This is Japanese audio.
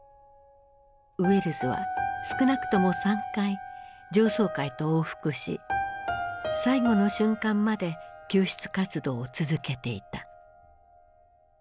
ウェルズは少なくとも３回上層階と往復し最後の瞬間まで救出活動を続けていた。